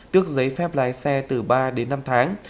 tước giấy phép lái xe từ ba đến năm tháng